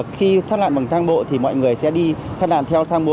khi thắt lạn bằng thang bộ thì mọi người sẽ đi thắt lạn theo thang bộ